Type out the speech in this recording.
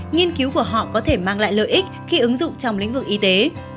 nghiên cứu của họ có thể mang lại lợi ích khi ứng dụng trong lĩnh vực y tế